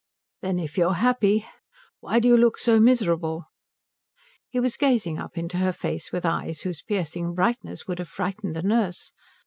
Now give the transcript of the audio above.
"Then, if you're happy, why do you look so miserable?" He was gazing up into her face with eyes whose piercing brightness would have frightened the nurse.